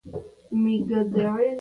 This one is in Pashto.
اړتیا هېڅ قانون نه پېژني دا حقیقت دی.